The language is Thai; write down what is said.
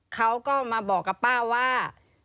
เขาก็มาบอกกับป้าว่า